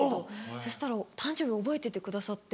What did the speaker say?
そしたら誕生日覚えててくださって。